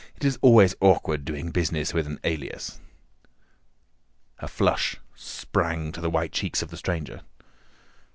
"It is always awkward doing business with an alias." A flush sprang to the white cheeks of the stranger.